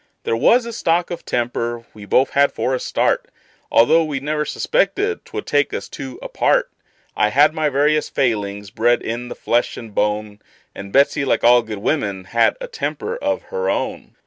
There was a stock of temper we both had for a start, Although we never suspected 'twould take us two apart; I had my various failings, bred in the flesh and bone; And Betsey, like all good women, had a temper of her own.